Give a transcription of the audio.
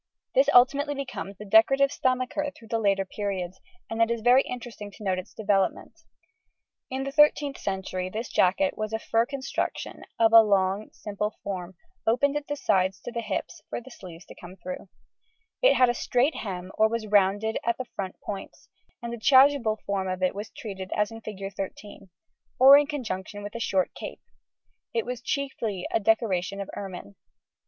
This ultimately becomes the decorative stomacher through the later periods, and it is very interesting to note its development. In the 13th century this jacket was a fur construction of a long simple form opened at the sides to the hips for the sleeves to come through; it had a straight hem or was rounded at the front points, and a chasuble form of it was treated as in Fig. 13 or in conjunction with a short cape; it was chiefly a decoration of ermine.